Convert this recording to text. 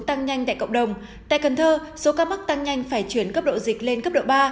tăng nhanh tại cộng đồng tại cần thơ số ca mắc tăng nhanh phải chuyển cấp độ dịch lên cấp độ ba